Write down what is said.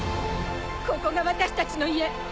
ここが私たちの家！